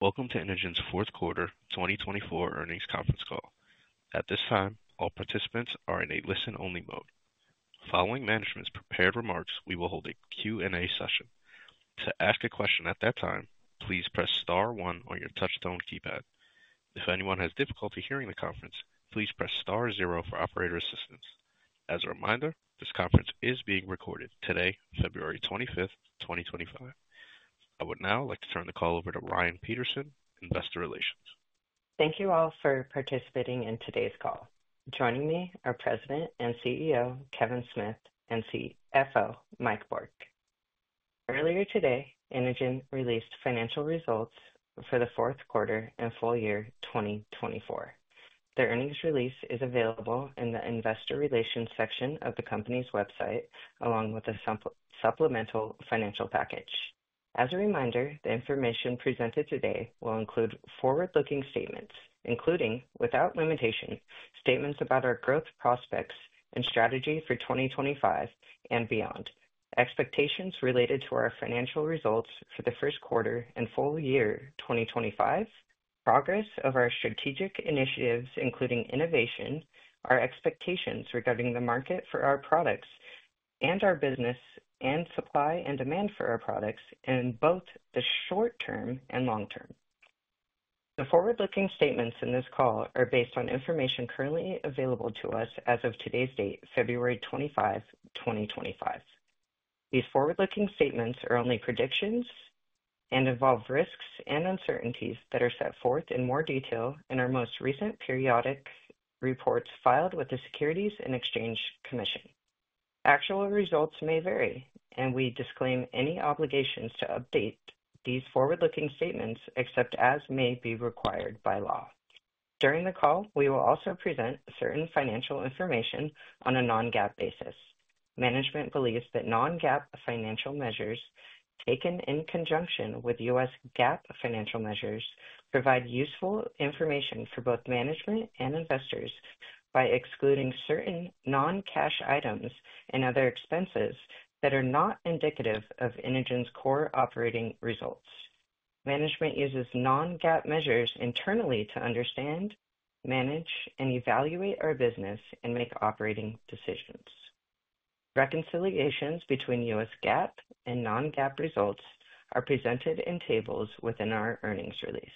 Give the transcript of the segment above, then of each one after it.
Welcome to Inogen's Fourth Quarter 2024 Earnings Conference Call. At this time, all participants are in a listen-only mode. Following management's prepared remarks, we will hold a Q&A session. To ask a question at that time, please press *1 on your touch-tone keypad. If anyone has difficulty hearing the conference, please press *0 for operator assistance. As a reminder, this conference is being recorded today, February 25th, 2025. I would now like to turn the call over to Ryan Peterson, Investor Relations. Thank you all for participating in today's call. Joining me are President and CEO Kevin Smith and CFO Mike Bourque. Earlier today, Inogen released financial results for the fourth quarter and full-year 2024. The earnings release is available in the Investor Relations section of the company's website, along with a supplemental financial package. As a reminder, the information presented today will include forward-looking statements, including without limitation, statements about our growth prospects and strategy for 2025 and beyond, expectations related to our financial results for the first quarter and full-year 2025, progress of our strategic initiatives, including innovation, our expectations regarding the market for our products, and our business and supply and demand for our products in both the short term and long term. The forward-looking statements in this call are based on information currently available to us as of today's date, February 25, 2025. These forward-looking statements are only predictions and involve risks and uncertainties that are set forth in more detail in our most recent periodic reports filed with the Securities and Exchange Commission. Actual results may vary, and we disclaim any obligations to update these forward-looking statements except as may be required by law. During the call, we will also present certain financial information on a non-GAAP basis. Management believes that non-GAAP financial measures taken in conjunction with U.S. GAAP financial measures provide useful information for both management and investors by excluding certain non-cash items and other expenses that are not indicative of Inogen's core operating results. Management uses non-GAAP measures internally to understand, manage, and evaluate our business and make operating decisions. Reconciliations between U.S. GAAP and non-GAAP results are presented in tables within our earnings release.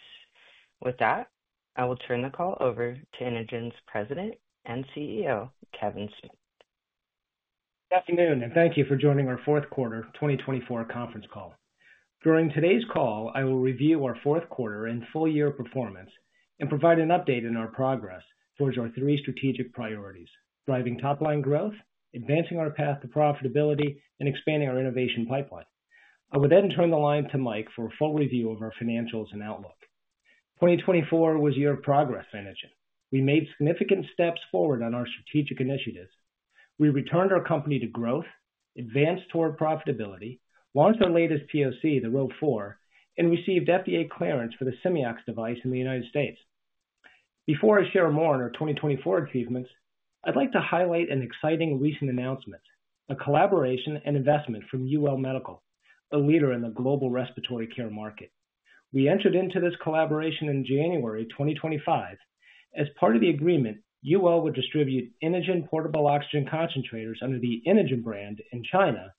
With that, I will turn the call over to Inogen's President and CEO, Kevin Smith. Good afternoon, and thank you for joining our fourth quarter 2024 conference call. During today's call, I will review our fourth quarter and full-year performance and provide an update on our progress towards our three strategic priorities: driving top-line growth, advancing our path to profitability, and expanding our innovation pipeline. I will then turn the line to Mike for a full review of our financials and outlook. 2024 was a year of progress, Inogen. We made significant steps forward on our strategic initiatives. We returned our company to growth, advanced toward profitability, launched our latest POC, the Rove 4, and received FDA clearance for the Simeox device in the United States. Before I share more on our 2024 achievements, I'd like to highlight an exciting recent announcement: a collaboration and investment from Yuwell Medical, a leader in the global respiratory care market. We entered into this collaboration in January 2025. As part of the agreement, Yuwell would distribute Inogen portable oxygen concentrators under the Inogen brand in China,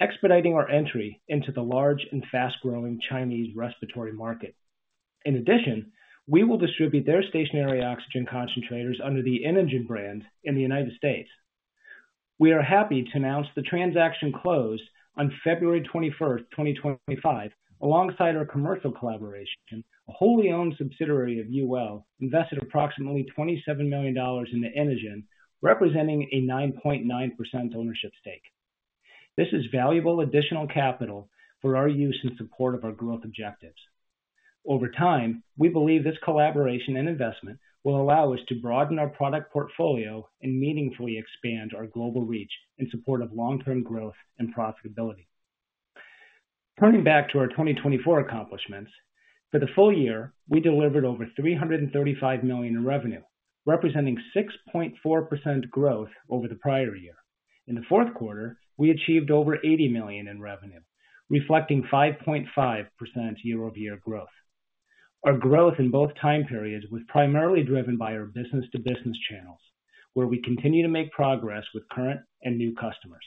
expediting our entry into the large and fast-growing Chinese respiratory market. In addition, we will distribute their stationary oxygen concentrators under the Inogen brand in the United States. We are happy to announce the transaction closed on February 21st, 2025, alongside our commercial collaboration. A wholly owned subsidiary of Yuwell invested approximately $27 million into Inogen, representing a 9.9% ownership stake. This is valuable additional capital for our use in support of our growth objectives. Over time, we believe this collaboration and investment will allow us to broaden our product portfolio and meaningfully expand our global reach in support of long-term growth and profitability. Turning back to our 2024 accomplishments, for the full-year, we delivered over $335 million in revenue, representing 6.4% growth over the prior year. In the fourth quarter, we achieved over $80 million in revenue, reflecting 5.5% year-over-year growth. Our growth in both time periods was primarily driven by our business-to-business channels, where we continue to make progress with current and new customers.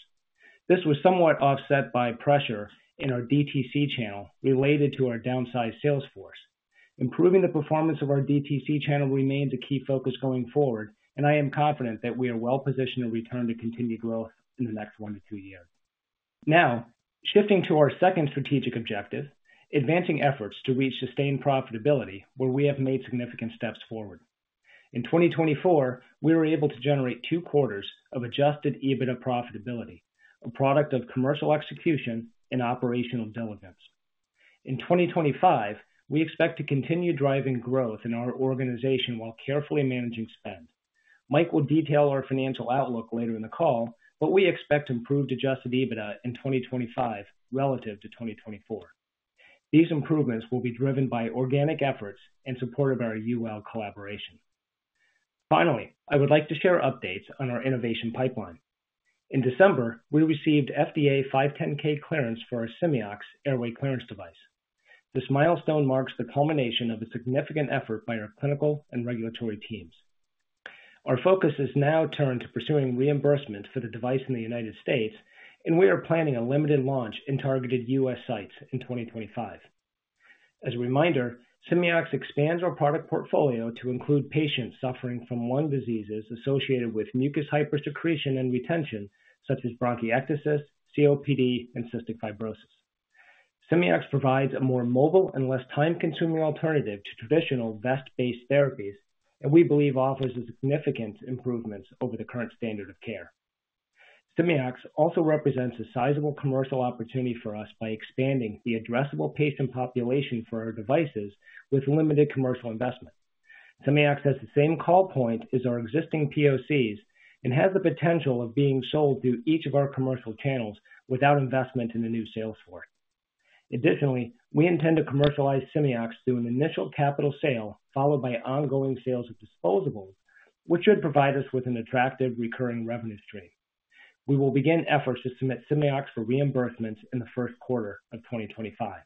This was somewhat offset by pressure in our DTC channel related to our downsized sales force. Improving the performance of our DTC channel remains a key focus going forward, and I am confident that we are well-positioned to return to continued growth in the next one to two years. Now, shifting to our second strategic objective, advancing efforts to reach sustained profitability, where we have made significant steps forward. In 2024, we were able to generate two quarters of adjusted EBITDA profitability, a product of commercial execution and operational diligence. In 2025, we expect to continue driving growth in our organization while carefully managing spend. Mike will detail our financial outlook later in the call, but we expect improved adjusted EBITDA in 2025 relative to 2024. These improvements will be driven by organic efforts in support of our Yuwell collaboration. Finally, I would like to share updates on our innovation pipeline. In December, we received FDA 510(k) clearance for our Simeox airway clearance device. This milestone marks the culmination of a significant effort by our clinical and regulatory teams. Our focus is now turned to pursuing reimbursement for the device in the United States, and we are planning a limited launch in targeted U.S. sites in 2025. As a reminder, Simeox expands our product portfolio to include patients suffering from lung diseases associated with mucus hypersecretion and retention, such as bronchiectasis, COPD, and cystic fibrosis. Simeox provides a more mobile and less time-consuming alternative to traditional vest-based therapies, and we believe offers significant improvements over the current standard of care. Simeox also represents a sizable commercial opportunity for us by expanding the addressable patient population for our devices with limited commercial investment. Simeox has the same call point as our existing POCs and has the potential of being sold through each of our commercial channels without investment in a new sales force. Additionally, we intend to commercialize Simeox through an initial capital sale followed by ongoing sales of disposables, which should provide us with an attractive recurring revenue stream. We will begin efforts to submit Simeox for reimbursements in the first quarter of 2025.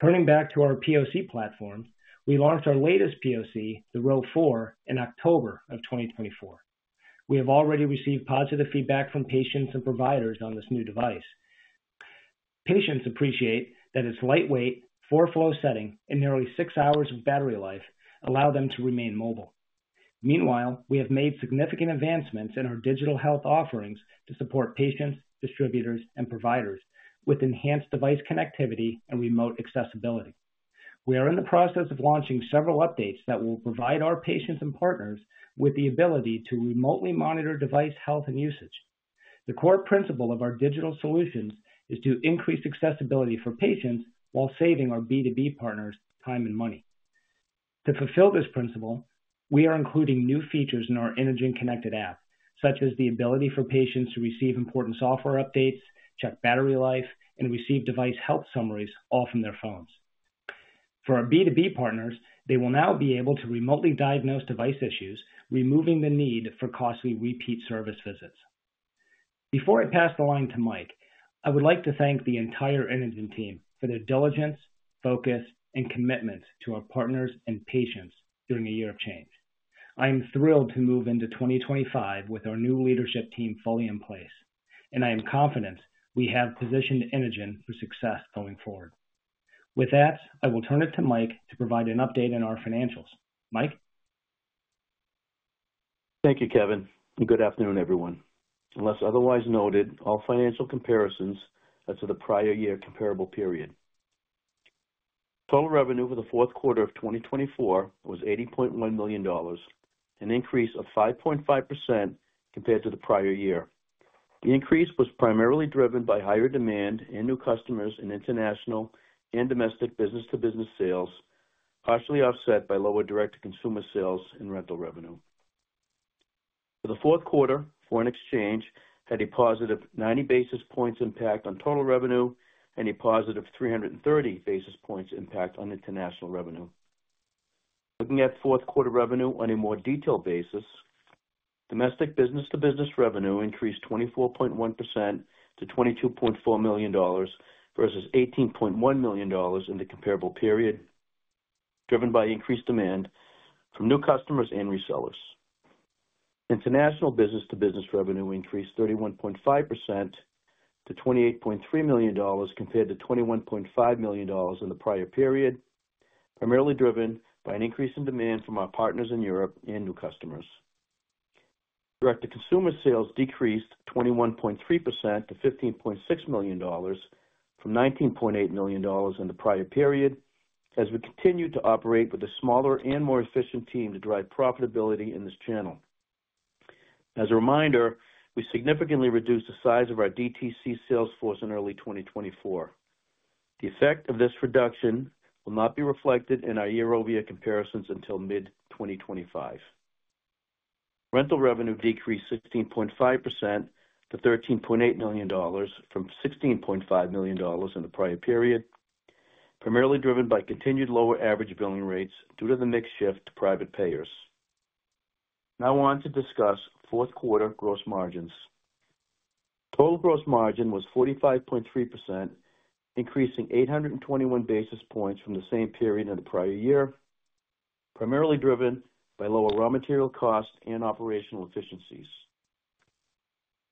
Turning back to our POC platform, we launched our latest POC, the Rove 4, in October of 2024. We have already received positive feedback from patients and providers on this new device. Patients appreciate that its lightweight, four-flow setting, and nearly six hours of battery life allow them to remain mobile. Meanwhile, we have made significant advancements in our digital health offerings to support patients, distributors, and providers with enhanced device connectivity and remote accessibility. We are in the process of launching several updates that will provide our patients and partners with the ability to remotely monitor device health and usage. The core principle of our digital solutions is to increase accessibility for patients while saving our B2B partners time and money. To fulfill this principle, we are including new features in our Inogen Connect app, such as the ability for patients to receive important software updates, check battery life, and receive device health summaries all from their phones. For our B2B partners, they will now be able to remotely diagnose device issues, removing the need for costly repeat service visits. Before I pass the line to Mike, I would like to thank the entire Inogen team for their diligence, focus, and commitment to our partners and patients during a year of change. I am thrilled to move into 2025 with our new leadership team fully in place, and I am confident we have positioned Inogen for success going forward. With that, I will turn it to Mike to provide an update on our financials. Mike. Thank you, Kevin. Good afternoon, everyone. Unless otherwise noted, all financial comparisons are to the prior year comparable period. Total revenue for the fourth quarter of 2024 was $80.1 million, an increase of 5.5% compared to the prior year. The increase was primarily driven by higher demand and new customers in international and domestic business-to-business sales, partially offset by lower direct-to-consumer sales and rental revenue. For the fourth quarter, foreign exchange had a positive 90 basis points impact on total revenue and a positive 330 basis points impact on international revenue. Looking at fourth quarter revenue on a more detailed basis, domestic business-to-business revenue increased 24.1% to $22.4 million versus $18.1 million in the comparable period, driven by increased demand from new customers and resellers. International business-to-business revenue increased 31.5% to $28.3 million compared to $21.5 million in the prior period, primarily driven by an increase in demand from our partners in Europe and new customers. Direct-to-consumer sales decreased 21.3% to $15.6 million from $19.8 million in the prior period as we continue to operate with a smaller and more efficient team to drive profitability in this channel. As a reminder, we significantly reduced the size of our DTC sales force in early 2024. The effect of this reduction will not be reflected in our year-over-year comparisons until mid-2025. Rental revenue decreased 16.5% to $13.8 million from $16.5 million in the prior period, primarily driven by continued lower average billing rates due to the mixed shift to private payers. Now I want to discuss fourth quarter gross margins. Total gross margin was 45.3%, increasing 821 basis points from the same period in the prior year, primarily driven by lower raw material costs and operational efficiencies.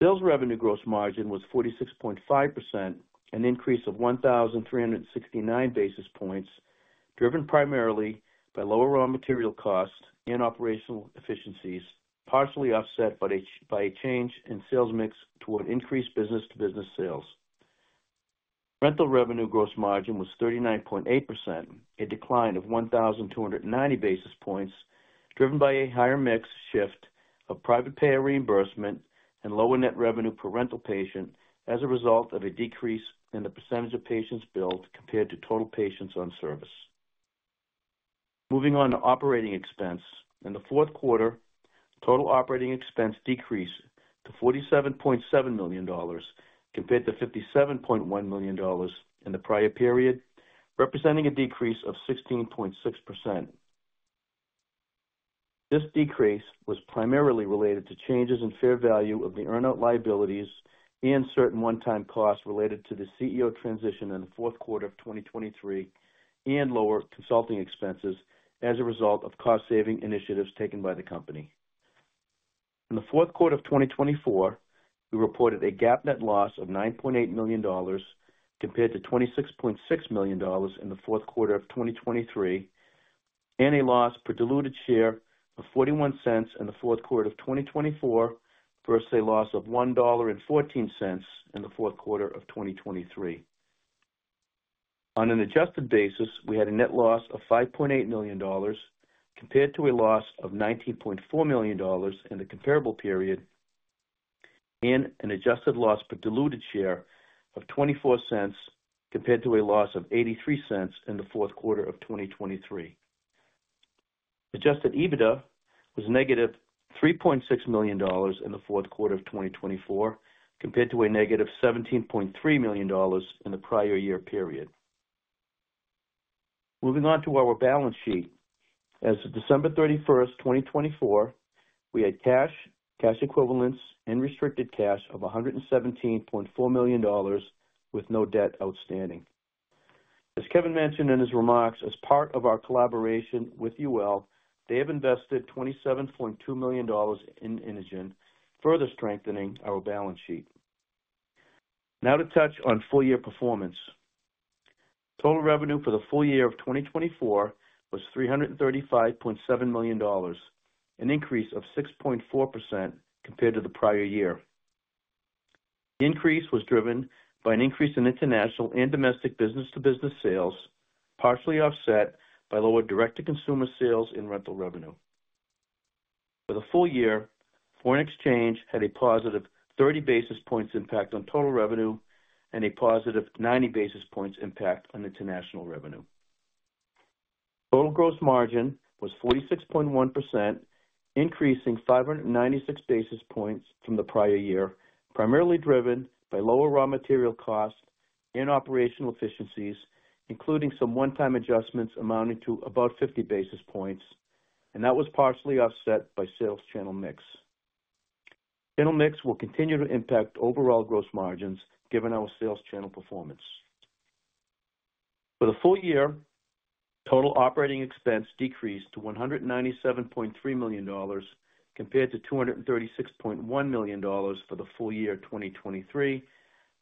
Sales revenue gross margin was 46.5%, an increase of 1,369 basis points, driven primarily by lower raw material costs and operational efficiencies, partially offset by a change in sales mix toward increased business-to-business sales. Rental revenue gross margin was 39.8%, a decline of 1,290 basis points, driven by a higher mix shift of private payer reimbursement and lower net revenue per rental patient as a result of a decrease in the percentage of patients billed compared to total patients on service. Moving on to operating expense, in the fourth quarter, total operating expense decreased to $47.7 million compared to $57.1 million in the prior period, representing a decrease of 16.6%. This decrease was primarily related to changes in fair value of the earn-out liabilities and certain one-time costs related to the CEO transition in the fourth quarter of 2023 and lower consulting expenses as a result of cost-saving initiatives taken by the company. In the fourth quarter of 2024, we reported a GAAP net loss of $9.8 million compared to $26.6 million in the fourth quarter of 2023, and a loss per diluted share of $0.41 in the fourth quarter of 2024 versus a loss of $1.14 in the fourth quarter of 2023. On an adjusted basis, we had a net loss of $5.8 million compared to a loss of $19.4 million in the comparable period, and an adjusted loss per diluted share of $0.24 compared to a loss of $0.83 in the fourth quarter of 2023. Adjusted EBITDA was negative $3.6 million in the fourth quarter of 2024 compared to a negative $17.3 million in the prior year period. Moving on to our balance sheet, as of December 31st, 2024, we had cash, cash equivalents, and restricted cash of $117.4 million with no debt outstanding. As Kevin mentioned in his remarks, as part of our collaboration with Yuwell, they have invested $27.2 million in Inogen, further strengthening our balance sheet. Now to touch on full-year performance. Total revenue for the full-year of 2024 was $335.7 million, an increase of 6.4% compared to the prior year. The increase was driven by an increase in international and domestic business-to-business sales, partially offset by lower direct-to-consumer sales and rental revenue. For the full-year, foreign exchange had a positive 30 basis points impact on total revenue and a positive 90 basis points impact on international revenue. Total gross margin was 46.1%, increasing 596 basis points from the prior year, primarily driven by lower raw material costs and operational efficiencies, including some one-time adjustments amounting to about 50 basis points, and that was partially offset by sales channel mix. Channel mix will continue to impact overall gross margins given our sales channel performance. For the full-year, total operating expense decreased to $197.3 million compared to $236.1 million for the full-year 2023,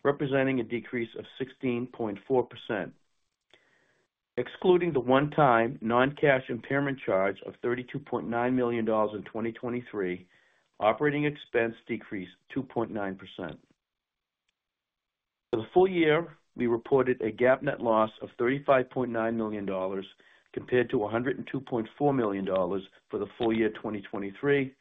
representing a decrease of 16.4%. Excluding the one-time non-cash impairment charge of $32.9 million in 2023, operating expense decreased 2.9%. For the full-year, we reported a GAAP net loss of $35.9 million compared to $102.4 million for the full-year 2023,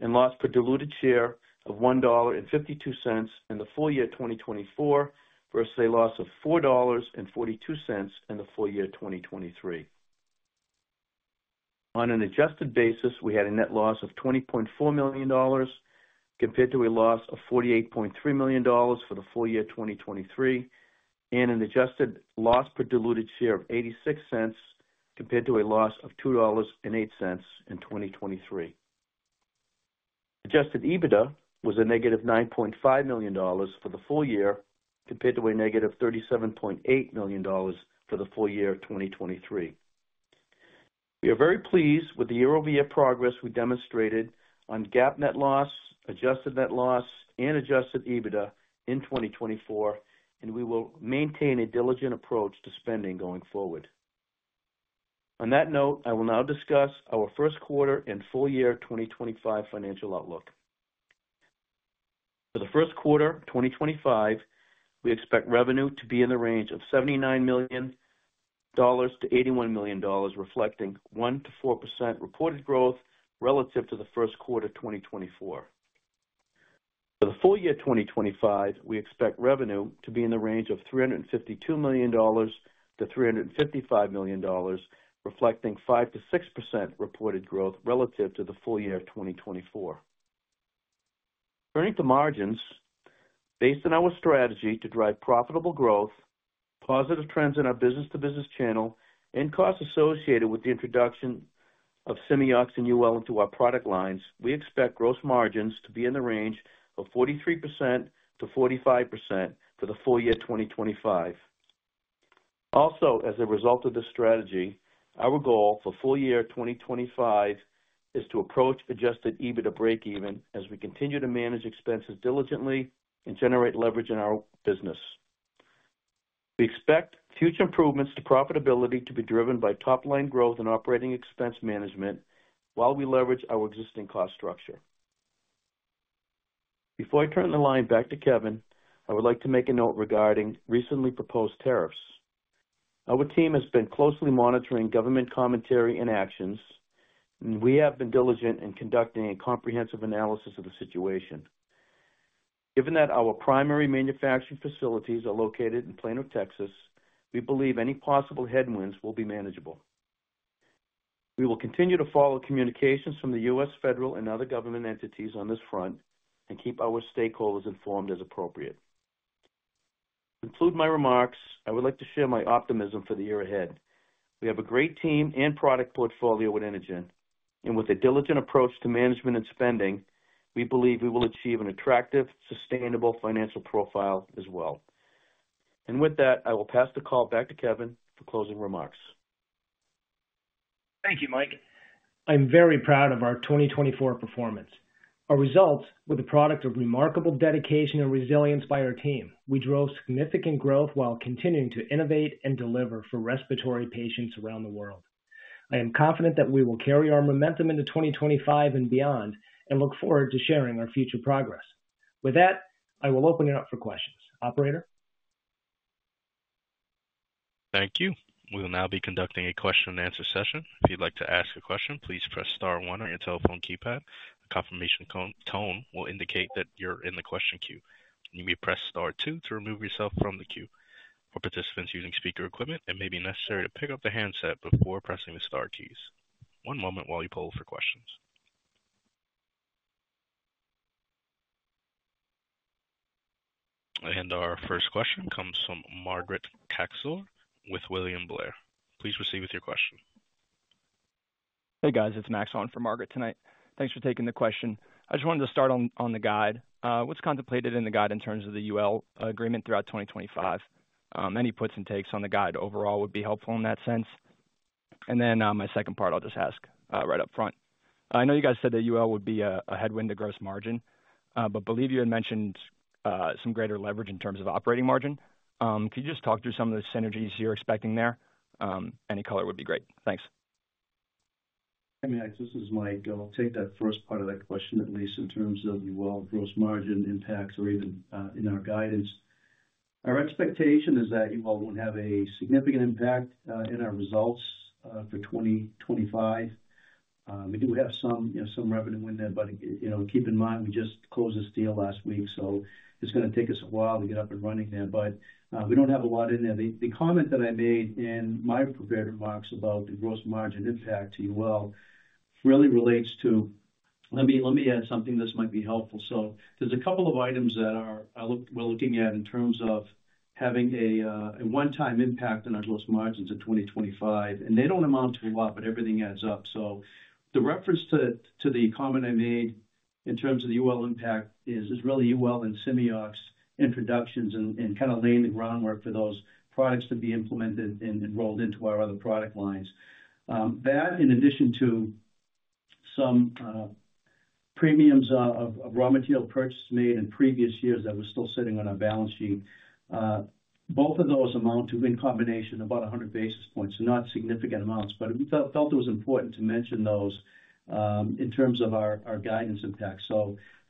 and loss per diluted share of $1.52 in the full-year 2024 versus a loss of $4.42 in the full-year 2023. On an adjusted basis, we had a net loss of $20.4 million compared to a loss of $48.3 million for the full-year 2023, and an adjusted loss per diluted share of $0.86 compared to a loss of $2.08 in 2023. Adjusted EBITDA was a negative $9.5 million for the full-year compared to a negative $37.8 million for the full-year 2023. We are very pleased with the year-over-year progress we demonstrated on GAAP net loss, adjusted net loss, and adjusted EBITDA in 2024, and we will maintain a diligent approach to spending going forward. On that note, I will now discuss our first quarter and full-year 2025 financial outlook. For the first quarter 2025, we expect revenue to be in the range of $79 million-$81 million, reflecting 1%-4% reported growth relative to the first quarter 2024. For the full-year 2025, we expect revenue to be in the range of $352 million-$355 million, reflecting 5%-6% reported growth relative to the full-year 2024. Turning to margins, based on our strategy to drive profitable growth, positive trends in our business-to-business channel, and costs associated with the introduction of Simeox and Yuwell into our product lines, we expect gross margins to be in the range of 43%-45% for the full-year 2025. Also, as a result of this strategy, our goal for full-year 2025 is to approach adjusted EBITDA break-even as we continue to manage expenses diligently and generate leverage in our business. We expect future improvements to profitability to be driven by top-line growth and operating expense management while we leverage our existing cost structure. Before I turn the line back to Kevin, I would like to make a note regarding recently proposed tariffs. Our team has been closely monitoring government commentary and actions, and we have been diligent in conducting a comprehensive analysis of the situation. Given that our primary manufacturing facilities are located in Plano, Texas, we believe any possible headwinds will be manageable. We will continue to follow communications from the U.S. federal and other government entities on this front and keep our stakeholders informed as appropriate. To conclude my remarks, I would like to share my optimism for the year ahead. We have a great team and product portfolio with Inogen, and with a diligent approach to management and spending, we believe we will achieve an attractive, sustainable financial profile as well. With that, I will pass the call back to Kevin for closing remarks. Thank you, Mike. I'm very proud of our 2024 performance. Our results were the product of remarkable dedication and resilience by our team. We drove significant growth while continuing to innovate and deliver for respiratory patients around the world. I am confident that we will carry our momentum into 2025 and beyond and look forward to sharing our future progress. With that, I will open it up for questions. Operator? Thank you. We will now be conducting a Q&A session. If you'd like to ask a question, please press *1 on your telephone keypad. The confirmation tone will indicate that you're in the question queue. You may press *2 to remove yourself from the queue. For participants using speaker equipment, it may be necessary to pick up the handset before pressing the * keys. One moment while you poll for questions. Our first question comes from Margaret Kaczor with William Blair. Please proceed with your question. Hey, guys. It's Max on for Margaret tonight. Thanks for taking the question. I just wanted to start on the guide. What's contemplated in the guide in terms of the Yuwell agreement throughout 2025? Any puts and takes on the guide overall would be helpful in that sense. My second part, I'll just ask right up front. I know you guys said that Yuwell would be a headwind to gross margin, but I believe you had mentioned some greater leverage in terms of operating margin. Could you just talk through some of the synergies you're expecting there? Any color would be great. Thanks. Hey, Max. This is Mike. I'll take that first part of that question, at least in terms of Yuwell gross margin impacts or even in our guidance. Our expectation is that Yuwell will have a significant impact in our results for 2025. We do have some revenue in there, but keep in mind, we just closed this deal last week, so it's going to take us a while to get up and running there. We don't have a lot in there. The comment that I made in my prepared remarks about the gross margin impact to Yuwell really relates to—let me add something that might be helpful. There's a couple of items that we're looking at in terms of having a one-time impact on our gross margins in 2025, and they don't amount to a lot, but everything adds up. The reference to the comment I made in terms of the Yuwell impact is really Yuwell and Simeox introductions and kind of laying the groundwork for those products to be implemented and rolled into our other product lines. That, in addition to some premiums of raw material purchased made in previous years that were still sitting on our balance sheet, both of those amount to, in combination, about 100 basis points. They're not significant amounts, but we felt it was important to mention those in terms of our guidance impact.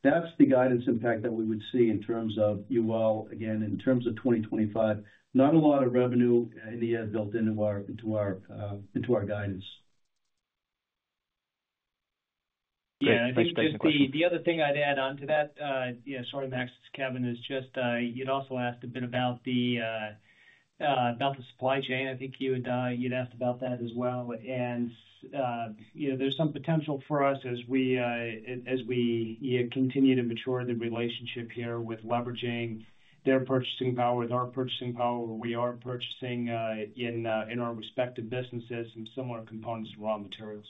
That's the guidance impact that we would see in terms of Yuwell, again, in terms of 2025. Not a lot of revenue in the end built into our guidance. Yeah. I think the other thing I'd add on to that, sort of Max's, Kevin, is just you'd also asked a bit about the supply chain. I think you'd asked about that as well. There's some potential for us as we continue to mature the relationship here with leveraging their purchasing power with our purchasing power where we are purchasing in our respective businesses and similar components of raw materials.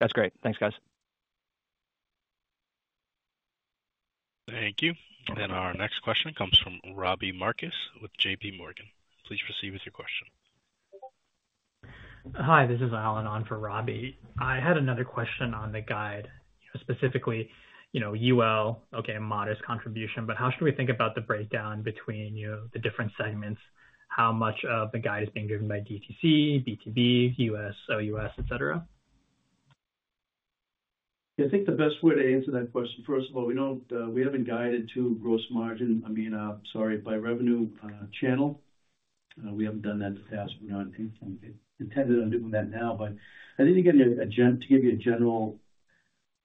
That's great. Thanks, guys. Thank you. Our next question comes from Robbie Marcus with JP Morgan. Please proceed with your question. Hi, this is Allen on for Robbie. I had another question on the guide, specifically Yuwell, okay, modest contribution, but how should we think about the breakdown between the different segments? How much of the guide is being driven by DTC, B2B, US, OUS, etc.? Yeah, I think the best way to answer that question, first of all, we haven't guided to gross margin, I mean, sorry, by revenue channel. We haven't done that in the past. We're not intended on doing that now, but I think to give you a general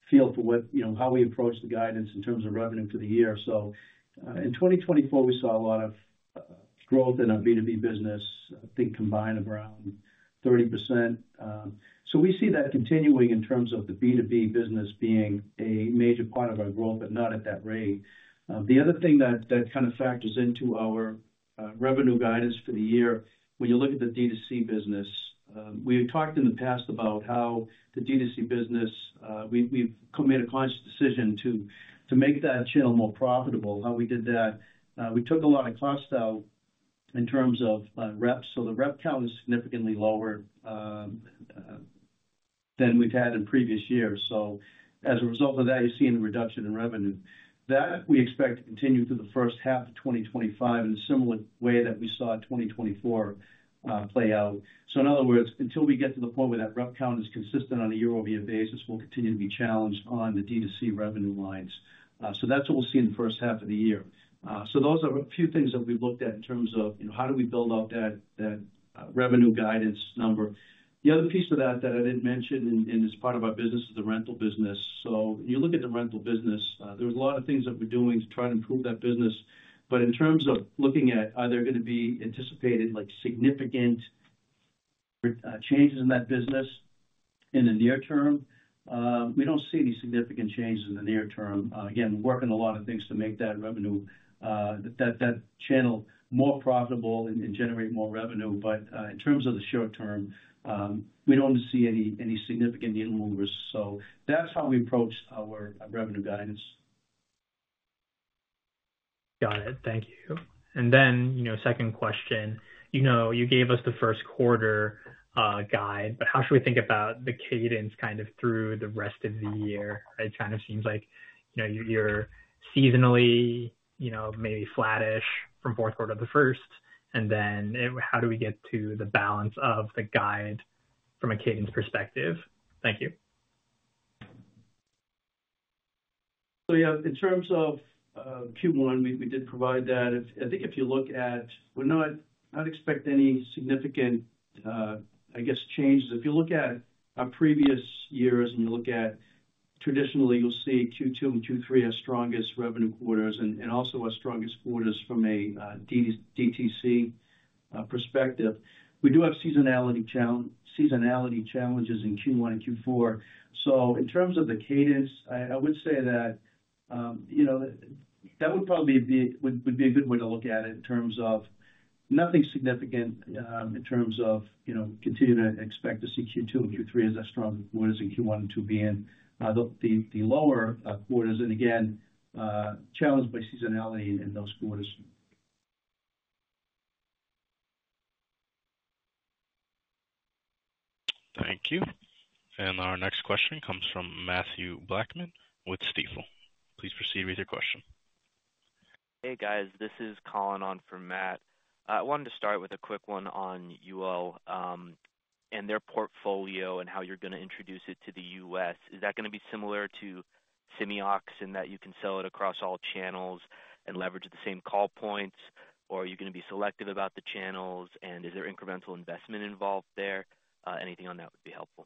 feel for how we approach the guidance in terms of revenue for the year. In 2024, we saw a lot of growth in our B2B business, I think combined around 30%. We see that continuing in terms of the B2B business being a major part of our growth, but not at that rate. The other thing that kind of factors into our revenue guidance for the year, when you look at the DTC business, we had talked in the past about how the DTC business, we've made a conscious decision to make that channel more profitable. How we did that, we took a lot of cost out in terms of reps. The rep count is significantly lower than we've had in previous years. As a result of that, you're seeing a reduction in revenue. We expect that to continue through the first half of 2025 in a similar way that we saw 2024 play out. In other words, until we get to the point where that rep count is consistent on a year-over-year basis, we'll continue to be challenged on the DTC revenue lines. That's what we'll see in the first half of the year. Those are a few things that we've looked at in terms of how do we build up that revenue guidance number. The other piece of that that I didn't mention in this part of our business is the rental business. When you look at the rental business, there's a lot of things that we're doing to try to improve that business. In terms of looking at are there going to be anticipated significant changes in that business in the near term, we don't see any significant changes in the near term. Again, we're working a lot of things to make that revenue, that channel more profitable and generate more revenue. In terms of the short term, we don't see any significant new movers. That's how we approach our revenue guidance. Got it. Thank you. Then second question, you gave us the first quarter guide, but how should we think about the cadence kind of through the rest of the year? It kind of seems like you're seasonally maybe flattish from fourth quarter to the first. How do we get to the balance of the guide from a cadence perspective? Thank you. Yeah, in terms of Q1, we did provide that. I think if you look at, we're not expecting any significant, I guess, changes. If you look at our previous years and you look at traditionally, you'll see Q2 and Q3 are strongest revenue quarters and also our strongest quarters from a DTC perspective. We do have seasonality challenges in Q1 and Q4. In terms of the cadence, I would say that that would probably be a good way to look at it in terms of nothing significant in terms of continue to expect to see Q2 and Q3 as our strong quarters and Q1 and Q4 being the lower quarters and again, challenged by seasonality in those quarters. Thank you. Our next question comes from Mathew Blackman with Stifel. Please proceed with your question. Hey, guys. This is Colin on for Matt. I wanted to start with a quick one on Yuwell and their portfolio and how you're going to introduce it to the US. Is that going to be similar to Simeox in that you can sell it across all channels and leverage the same call points, or are you going to be selective about the channels, and is there incremental investment involved there? Anything on that would be helpful.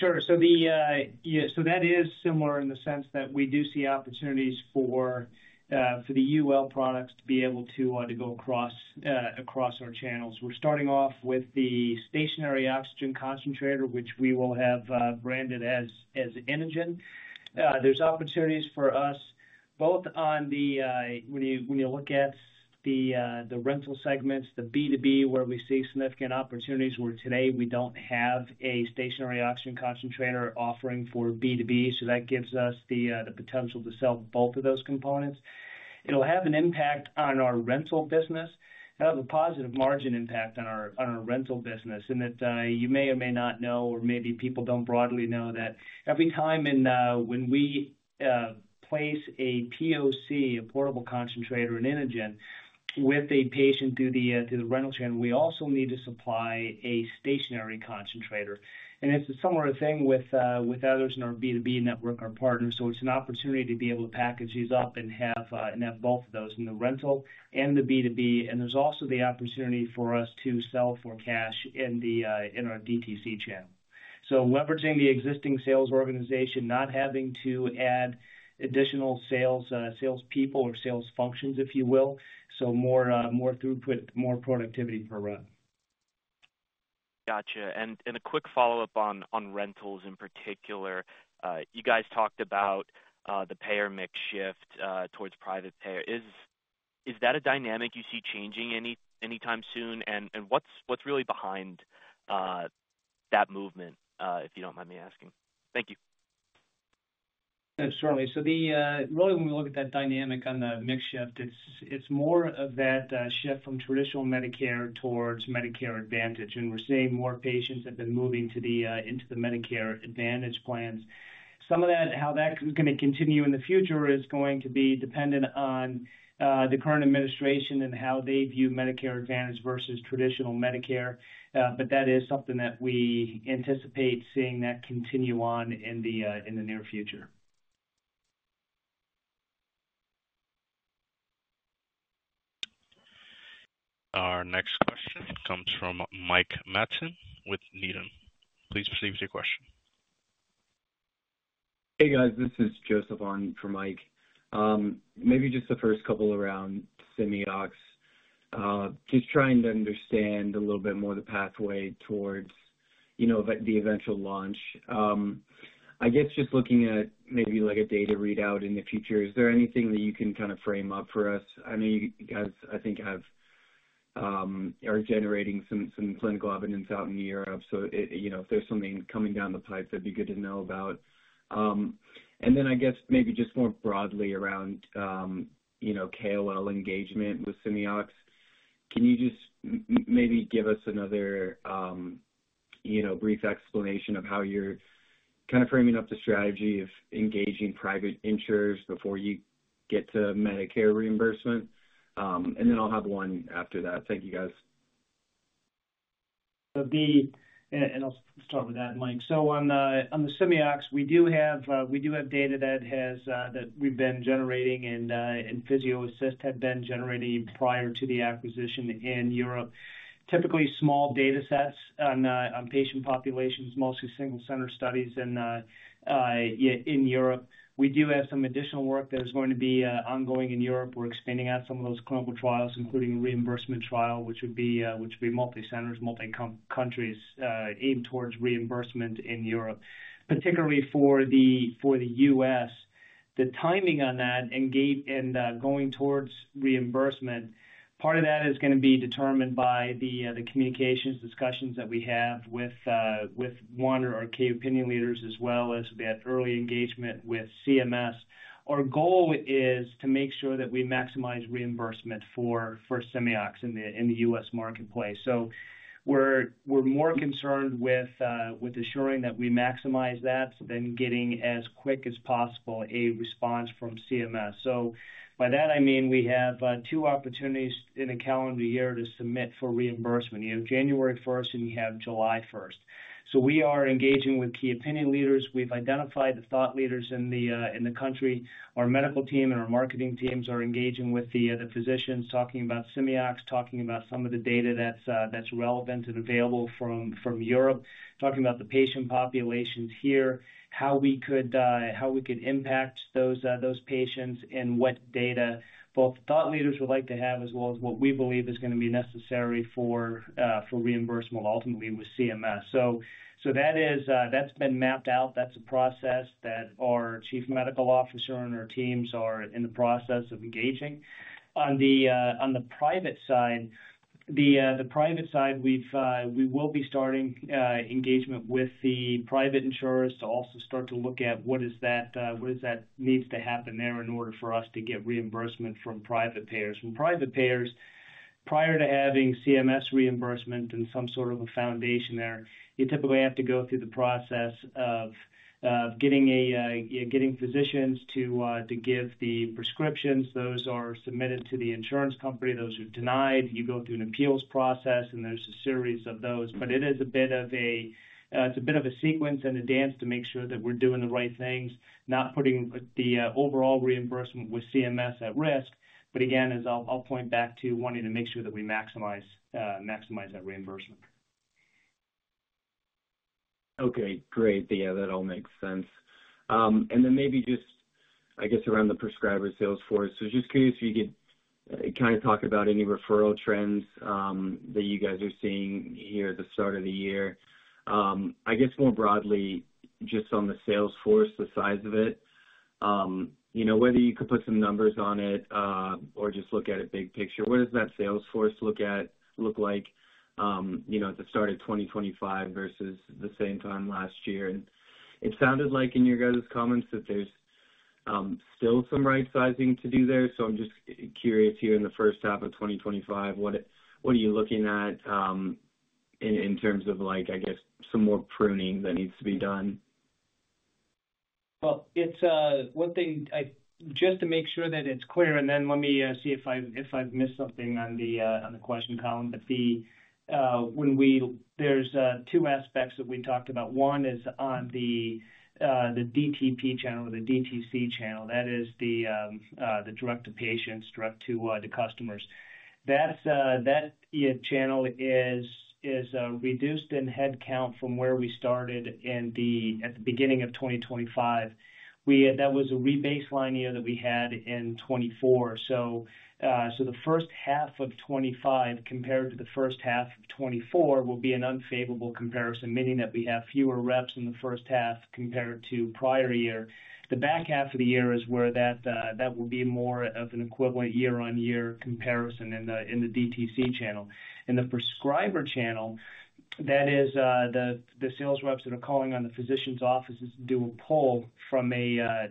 Sure. That is similar in the sense that we do see opportunities for the Yuwell products to be able to go across our channels. We are starting off with the stationary oxygen concentrator, which we will have branded as Inogen. There are opportunities for us both on the, when you look at the rental segments, the B2B, where we see significant opportunities where today we do not have a stationary oxygen concentrator offering for B2B. That gives us the potential to sell both of those components. It will have an impact on our rental business. It will have a positive margin impact on our rental business. You may or may not know, or maybe people do not broadly know, that every time when we place a POC, a portable concentrator, an Inogen with a patient through the rental chain, we also need to supply a stationary concentrator. It is a similar thing with others in our B2B network, our partners. It is an opportunity to be able to package these up and have both of those in the rental and the B2B. There is also the opportunity for us to sell for cash in our DTC channel. Leveraging the existing sales organization, not having to add additional salespeople or sales functions, if you will. More throughput, more productivity per run. Gotcha. A quick follow-up on rentals in particular. You guys talked about the payer mix shift towards private payer. Is that a dynamic you see changing anytime soon? What's really behind that movement, if you don't mind me asking? Thank you. Certainly. Really, when we look at that dynamic on the mix shift, it's more of that shift from traditional Medicare towards Medicare Advantage. We're seeing more patients have been moving into the Medicare Advantage plans. Some of that, how that's going to continue in the future, is going to be dependent on the current administration and how they view Medicare Advantage versus traditional Medicare. That is something that we anticipate seeing continue on in the near future. Our next question comes from Mike Matson with Needham. Please proceed with your question. Hey, guys. This is Joseph on for Mike. Maybe just the first couple around Simeox, just trying to understand a little bit more the pathway towards the eventual launch. I guess just looking at maybe a data readout in the future, is there anything that you can kind of frame up for us? I know you guys, I think, are generating some clinical evidence out in Europe. If there's something coming down the pipe, that'd be good to know about. I guess maybe just more broadly around KOL engagement with Simeox. Can you just maybe give us another brief explanation of how you're kind of framing up the strategy of engaging private insurers before you get to Medicare reimbursement? I'll have one after that. Thank you, guys. I'll start with that, Mike. On the Simeox, we do have data that we've been generating and PhysioAssist had been generating prior to the acquisition in Europe. Typically, small data sets on patient populations, mostly single-center studies in Europe. We do have some additional work that is going to be ongoing in Europe. We're expanding out some of those clinical trials, including a reimbursement trial, which would be multi-centered, multi-countries aimed towards reimbursement in Europe, particularly for the U.S. The timing on that and going towards reimbursement, part of that is going to be determined by the communications, discussions that we have with one of our key opinion leaders, as well as we've had early engagement with CMS. Our goal is to make sure that we maximize reimbursement for Simeox in the U.S. marketplace. We're more concerned with ensuring that we maximize that than getting as quick as possible a response from CMS. By that, I mean we have two opportunities in a calendar year to submit for reimbursement. You have January 1 and you have July 1. We are engaging with key opinion leaders. We've identified the thought leaders in the country. Our medical team and our marketing teams are engaging with the physicians, talking about Simeox, talking about some of the data that's relevant and available from Europe, talking about the patient populations here, how we could impact those patients and what data both thought leaders would like to have as well as what we believe is going to be necessary for reimbursement ultimately with CMS. That's been mapped out. That's a process that our Chief Medical Officer and our teams are in the process of engaging. On the private side, we will be starting engagement with the private insurers to also start to look at what is that needs to happen there in order for us to get reimbursement from private payers. From private payers, prior to having CMS reimbursement and some sort of a foundation there, you typically have to go through the process of getting physicians to give the prescriptions. Those are submitted to the insurance company. Those are denied. You go through an appeals process, and there's a series of those. It is a bit of a sequence and a dance to make sure that we're doing the right things, not putting the overall reimbursement with CMS at risk. Again, as I'll point back to wanting to make sure that we maximize that reimbursement. Okay. Great. Yeah, that all makes sense. Maybe just, I guess, around the prescriber salesforce. Just curious if you could kind of talk about any referral trends that you guys are seeing here at the start of the year. I guess more broadly, just on the salesforce, the size of it, whether you could put some numbers on it or just look at a big picture. What does that salesforce look like at the start of 2025 versus the same time last year? It sounded like in your guys' comments that there's still some right-sizing to do there. I'm just curious here in the first half of 2025, what are you looking at in terms of, I guess, some more pruning that needs to be done? One thing, just to make sure that it's clear, and then let me see if I've missed something on the question column, but there's two aspects that we talked about. One is on the DTP channel or the DTC channel. That is the direct-to-patients, direct-to-customers. That channel is reduced in headcount from where we started at the beginning of 2025. That was a rebaseline year that we had in 2024. The first half of 2025 compared to the first half of 2024 will be an unfavorable comparison, meaning that we have fewer reps in the first half compared to prior year. The back half of the year is where that will be more of an equivalent year-on-year comparison in the DTC channel. In the prescriber channel, that is the sales reps that are calling on the physician's offices to do a pull from a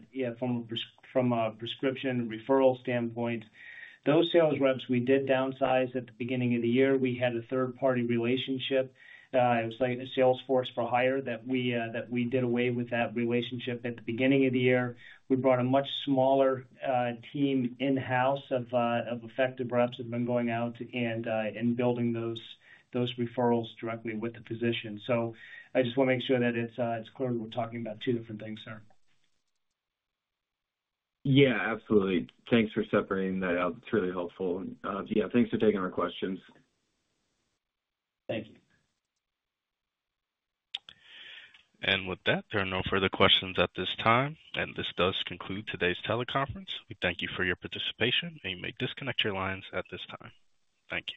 prescription referral standpoint. Those sales reps we did downsize at the beginning of the year. We had a third-party relationship. It was like a salesforce for hire that we did away with that relationship at the beginning of the year. We brought a much smaller team in-house of effective reps that have been going out and building those referrals directly with the physician. I just want to make sure that it's clear we're talking about two different things, sir. Yeah, absolutely. Thanks for separating that out. It's really helpful. Yeah, thanks for taking our questions. Thank you. There are no further questions at this time. This does conclude today's teleconference. We thank you for your participation, and you may disconnect your lines at this time. Thank you.